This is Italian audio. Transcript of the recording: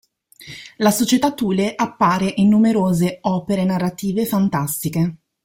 La Società Thule appare in numerose opere narrative fantastiche.